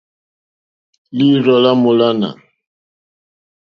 Lǐīrzɔ́ lá mòlânà.